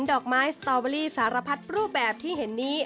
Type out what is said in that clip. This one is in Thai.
ดอกไม้สตอเบอรี่สารพัดรูปแบบที่เห็นนี้